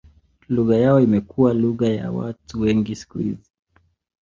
Lugha yao imekuwa lugha ya watu wengi siku hizi.